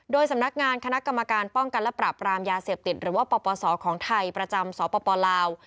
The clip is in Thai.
โดยสำนักงานคณะกรรมการป้องกันและปรับรามยาเสพติดหรือว่าปปศของไทยประจำสปลาว